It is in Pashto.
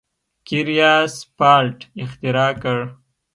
قیر یا سفالټ اختراع کړ.